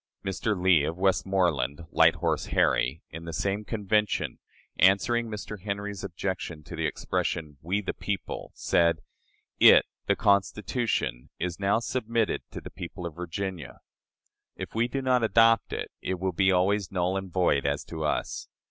" Mr. Lee, of Westmoreland ("Light Horse Harry"), in the same Convention, answering Mr. Henry's objection to the expression, "We, the people," said: "It [the Constitution] is now submitted to the people of Virginia. If we do not adopt it, it will be always null and void as to us.